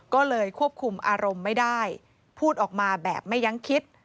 ก็เลยควบคุมอารมณ์ไม่ได้พูดออกมาแบบไม่ยั้งคิด